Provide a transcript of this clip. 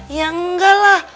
ya enggak lah